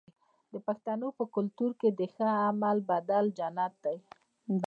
د پښتنو په کلتور کې د ښه عمل بدله جنت دی.